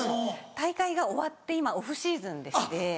大会が終わって今オフシーズンでして。